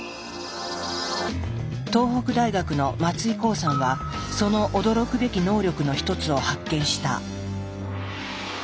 東北大学の松井広さんはその驚くべき能力の一つを発見した。